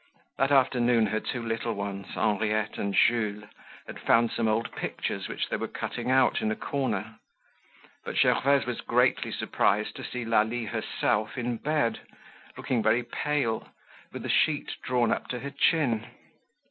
That afternoon her two little ones, Henriette and Jules, had found some old pictures which they were cutting out in a corner. But Gervaise was greatly surprised to see Lalie herself in bed, looking very pale, with the sheet drawn up to her chin.